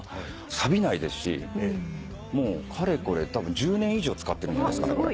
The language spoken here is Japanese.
さびないですしもうかれこれたぶん１０年以上使ってるんじゃないですかね。